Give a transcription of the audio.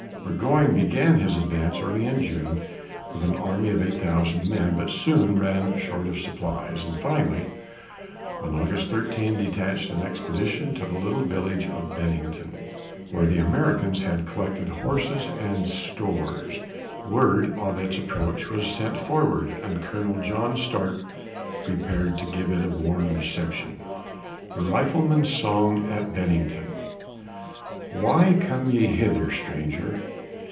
Burgoyne began his advance early in June with an army of eight thousand men; but soon ran short of supplies, and finally, on August 13, detached an expedition to the little village of Bennington, where the Americans had collected horses and stores. Word of its approach was sent forward and Colonel John Stark prepared to give it a warm reception. THE RIFLEMAN'S SONG AT BENNINGTON Why come ye hither, stranger?